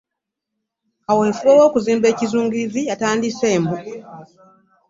Kaweefube w'okuzimba ekizungirizi yatandise mbu.